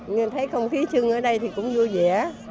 người thấy không khí chưng ở đây thì cũng vui vẻ